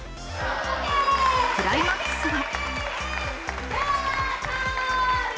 クライマックスは。